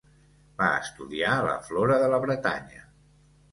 Va estudiar la flora de la Bretanya.